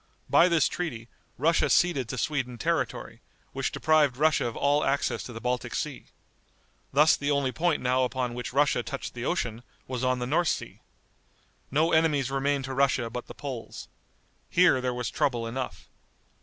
By this treaty, Russia ceded to Sweden territory, which deprived Russia of all access to the Baltic Sea. Thus the only point now upon which Russia touched the ocean, was on the North Sea. No enemies remained to Russia but the Poles. Here there was trouble enough.